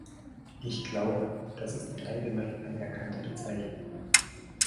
Ich glaube, das ist die allgemein anerkannte Bezeichnung.